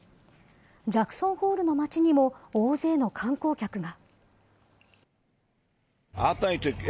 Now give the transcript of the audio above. ジャクソンホールの町にも大勢の観光客が。